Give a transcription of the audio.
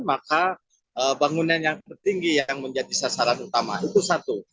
maka bangunan yang tertinggi yang menjadi sasaran utama itu satu